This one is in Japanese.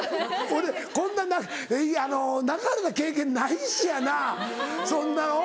俺こんな泣かれた経験ないしやなそんな。